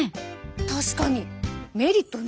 確かにメリットね。